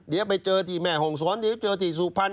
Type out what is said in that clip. เดี๋ยวไปเจอที่แม่ห่งสวนเดี๋ยวไปเจอที่สูบพันธุ์